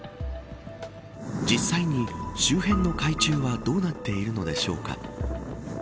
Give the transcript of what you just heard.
実際に周辺の海中はどうなっているのでしょうか。